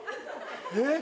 えっ？